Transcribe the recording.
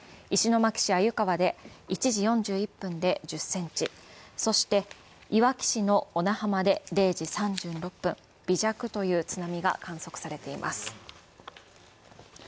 石巻市鮎川で１時４１分で１０センチそしていわき市の小名浜で０時３６分、微弱という津波が観測されています。